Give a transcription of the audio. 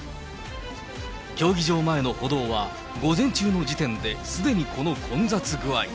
競技場前の歩道は、午前中の時点ですでにこの混雑具合。